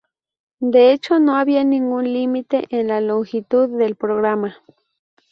De hecho no había ningún límite en la longitud del programa.